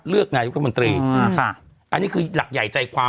เลือกงานยุครัฐมนตรีอืมค่ะอันนี้คือหลักใหญ่ใจความ